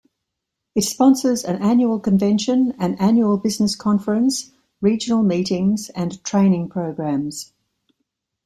It sponsors an annual convention, an annual business conference, regional meetings, and training programs.